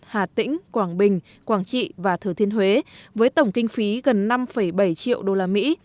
hà tĩnh quảng bình quảng trị và thừa thiên huế với tổng kinh phí gần năm bảy triệu đô la mỹ